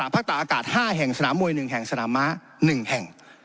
ตาอากาศ๕แห่งสนามมวย๑แห่งสนามม้า๑แห่ง